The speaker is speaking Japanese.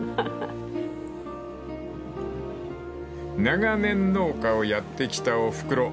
［長年農家をやってきたおふくろ］